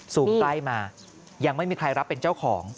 สูงใกล้มายังไม่มีใครรับเป็นเจ้าของ